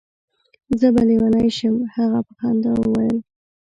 زه به لېونی شم. هغه په خندا وویل.